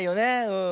うん。